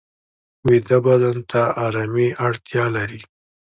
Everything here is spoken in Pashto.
ویده بدن ته آرامي اړتیا لري